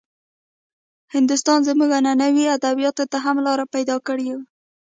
هندوستان زموږ عنعنوي ادبياتو ته هم لاره پيدا کړې وه.